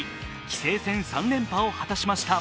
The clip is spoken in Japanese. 棋聖戦３連覇を果たしました。